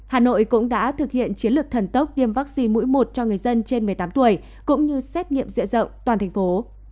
hà nội cũng đã thực hiện chiến lược thần tốc tiêm vaccine mũi một cho người dân trên một mươi tám tuổi cũng như xét nghiệm dịa rộng toàn thành phố